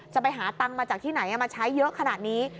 ไปหาตังค์มาจากที่ไหนมาใช้เยอะขนาดนี้